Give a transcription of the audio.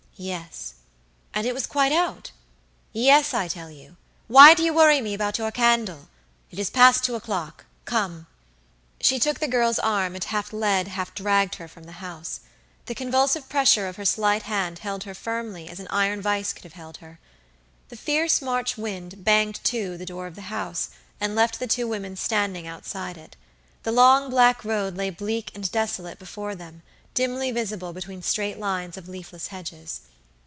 "Yes." "And it was quite out?" "Yes, I tell you; why do you worry me about your candle? It is past two o'clock. Come." She took the girl's arm, and half led, half dragged her from the house. The convulsive pressure of her slight hand held her firmly as an iron vise could have held her. The fierce March wind banged to the door of the house, and left the two women standing outside it. The long, black road lay bleak and desolate before them, dimly visible between straight lines of leafless hedges.